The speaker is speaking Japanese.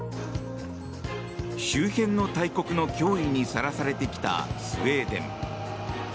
周辺の大国の脅威にさらされてきたスウェーデン。